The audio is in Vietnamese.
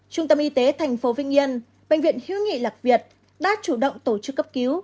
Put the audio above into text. trung tâm y tế thành phố vĩnh yên bệnh viện hiếu nghị lạc việt đã chủ động tổ chức cấp cứu